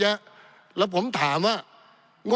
ปี๑เกณฑ์ทหารแสน๒